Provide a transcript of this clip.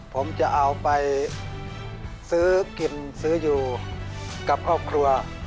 ผมจะเอาไปซื้อกินซื้ออยู่กับครอบครัว